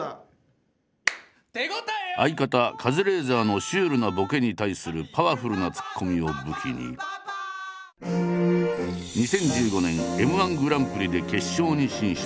相方カズレーザーのシュールなボケに対するパワフルなツッコミを武器に２０１５年Ｍ−１グランプリで決勝に進出。